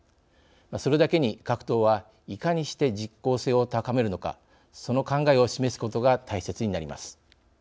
それだけに各党はいかにして実効性を高めるのかその考えを示すことが大切になります。